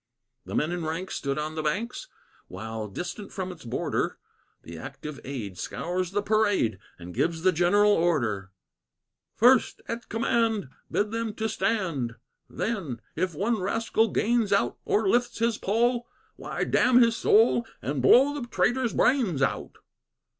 The men in ranks stood on the banks, While, distant from its border, The active aid scours the parade And gives the general order: "First, at command, bid them to stand; Then, if one rascal gains out Or lifts his poll, why, damn his soul And blow the traitor's brains out."